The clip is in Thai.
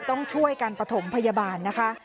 ต้องช่วยการปฐมพยาบาลนะคะ